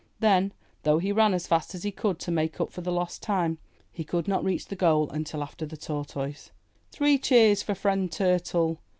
Then, though he ran as fast as he could to make up for lost time, he could not reach the goal until after the Tortoise. 'Three cheers for Friend Turtle!